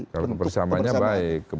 kalau kebersamanya baik